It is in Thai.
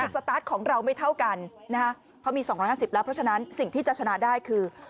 สตาร์ทของเราไม่เท่ากันนะฮะเพราะมี๒๕๐แล้วเพราะฉะนั้นสิ่งที่จะชนะได้คือ